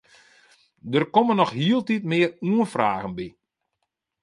Der komme noch hieltyd mear oanfragen by.